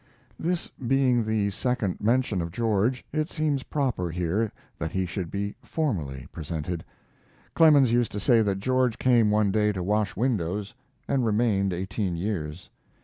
This being the second mention of George, it seems proper here that he should be formally presented. Clemens used to say that George came one day to wash windows and remained eighteen years.